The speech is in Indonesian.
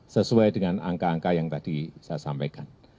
sesuai dengan angka angka yang tadi saya sampaikan